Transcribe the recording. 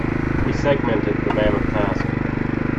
We segmented the mammoth task.